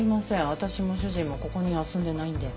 私も主人もここには住んでないんで。